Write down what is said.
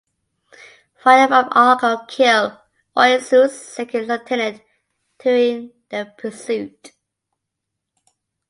Fire from "Argo" killed "Oiseau"s second lieutenant during the pursuit.